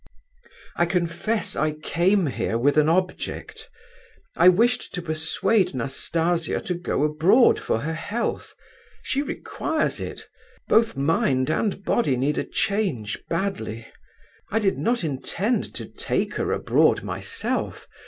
"I confess I came here with an object. I wished to persuade Nastasia to go abroad for her health; she requires it. Both mind and body need a change badly. I did not intend to take her abroad myself.